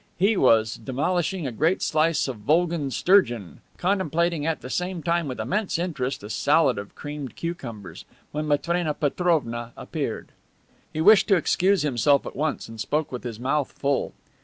He was demolishing a great slice of Volgan sturgeon, contemplating at the same time with immense interest a salad of creamed cucumbers, when Matrena Petrovna appeared. He wished to excuse himself at once and spoke with his mouth full.